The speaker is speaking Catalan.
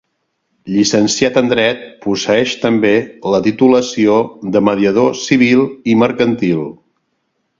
Llicenciat en Dret, posseeix també la titulació de mediador Civil i Mercantil.